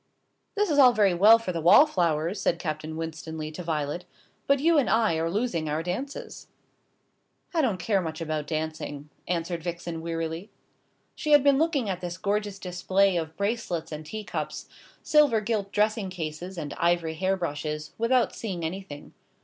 "This is all very well for the wallflowers," said Captain Winstanley to Violet, "but you and I are losing our dances." "I don't much care about dancing," answered Vixen wearily. She had been looking at this gorgeous display of bracelets and teacups, silver gilt dressing cases, and ivory hairbrushes, without seeing anything.